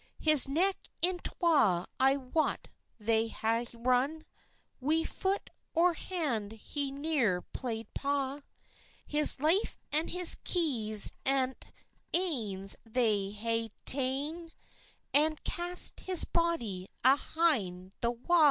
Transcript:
His neck in twa I wat they hae wrung; Wi foot or hand he neer play'd paw; His life and his keys at anes they hae taen, And cast his body ahind the wa.